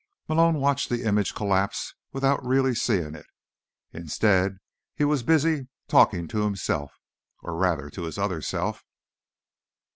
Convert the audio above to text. Malone watched the image collapse without really seeing it. Instead, he was busily talking to himself, or rather to his other self.